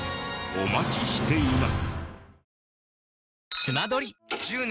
お待ちしています。